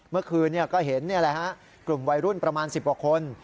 เมื่อคืนก็เห็นกลุ่มวัยรุ่นประมาณ๑๐กว่าคน